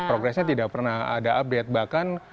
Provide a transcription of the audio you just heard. progresnya tidak pernah ada update bahkan